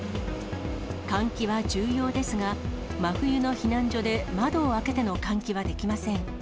換気は重要ですが、真冬の避難所で窓を開けての換気はできません。